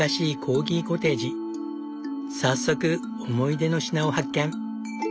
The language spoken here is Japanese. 早速思い出の品を発見！